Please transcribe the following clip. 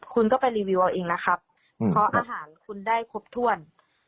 คุณก็ไปรีวิวเอาเองนะครับเพราะอาหารคุณได้ครบถ้วน